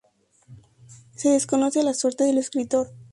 Se desconoce la suerte del escritor.